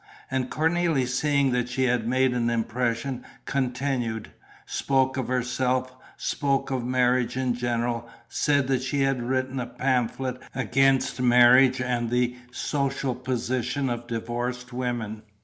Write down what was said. And Cornélie, seeing that she had made an impression, continued, spoke of herself, spoke of marriage in general, said that she had written a pamphlet against marriage and on The Social Position of Divorced Women.